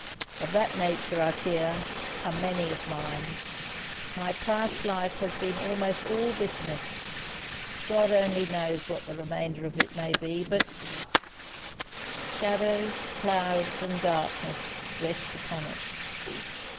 Of that nature, I fear, are many of mine. My past life has been almost all bitterness; God only knows what the remainder of it may be, but 'Shadows, clouds, and darkness, rest upon it.'